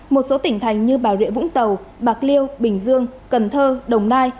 một số tỉnh thành như bà rịa vũng tàu bạc liêu bình dương cần thơ đồng nai